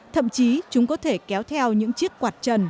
thậm chí chúng có thể kéo theo những chiếc quạt trần